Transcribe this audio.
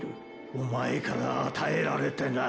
おまえから与えられてな！